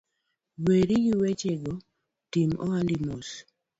Weri gi wechego, tim ohandi mos